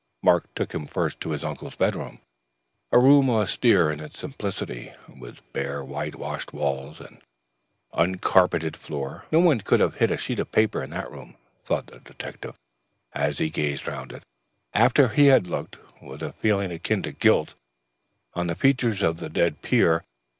Mark took him first to his uncle's bedroom; a room austere in its simplicity, with bare white washed walls and uncarpeted floor. No one could have hidden a sheet of paper in that room, thought the detective, as he gazed round it, after he had looked, with a feeling akin to guilt, on the features of the dead peer.